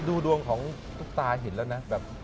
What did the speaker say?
ดูดวงของตุ๊กตาเห็นแล้วนะแบบ